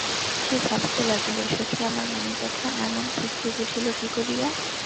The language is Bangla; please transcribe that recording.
সে ভাবিতে লাগিল, সখী আমার মনের কথা এমন ঠিকটি বুঝিল কী করিয়া।